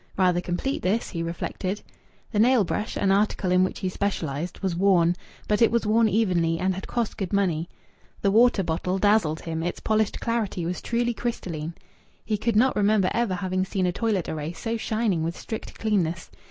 "Rather complete this!" he reflected. The nail brush an article in which he specialized was worn, but it was worn evenly and had cost good money. The water bottle dazzled him; its polished clarity was truly crystalline. He could not remember ever having seen a toilet array so shining with strict cleanness.